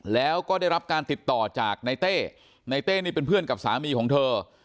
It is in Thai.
แล้วก็ได้รับการติดต่อจากในเต้ในเต้นี่เป็นเพื่อนกับสามีของเธอ